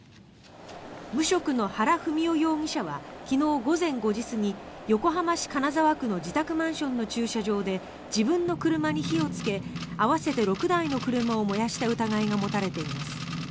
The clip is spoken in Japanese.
無職の原文雄容疑者は昨日午前５時過ぎ横浜市金沢区の自宅マンションの駐車場で自分の車に火をつけ合わせて６台の車を燃やした疑いが持たれています。